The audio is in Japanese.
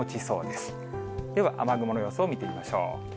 では、雨雲の様子を見てみましょう。